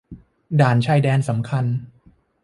ด่านชายแดนสำคัญ